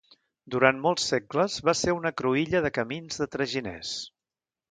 Durant molts segles va ser una cruïlla de camins de traginers.